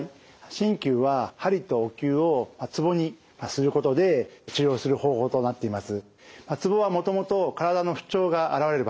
鍼灸は鍼とお灸をツボにすることで治療する方法となっています。